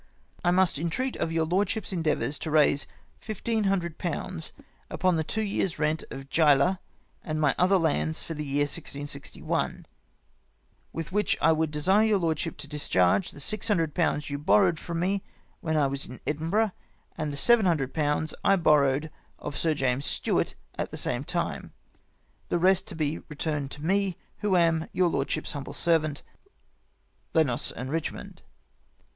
"I must in treat of your lordship's endeavours to raise fifteen hundred pounds upon the two years' rent of Jyla and my other lands for the year 1661 ; with Avhich I would desire your lordship to discharge the six hundred pounds you borrowed for me when I was at Edinburgh, and the seven hundred pounds I borrowed of Sir James Stuart at the same time. The rest to be retm'ned to me, who am " Your lordship's humble servant, " Lenos and Eichmond.